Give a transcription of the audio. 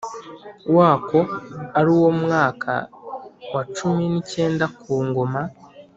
Wako ari wo mwaka wa cumi n icyenda ku ngoma